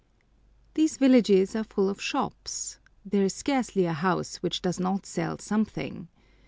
These villages are full of shops. There is scarcely a house which does not sell something.